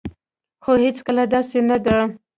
خو هيڅکله داسي نه ده